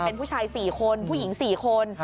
เป็นผู้ชาย๔คนผู้หญิง๔คน